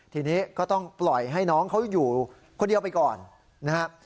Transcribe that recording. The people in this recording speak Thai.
ทีนี้ก็ต้องปล่อยให้น้องเขาอยู่คนเดียวไปก่อนนะครับ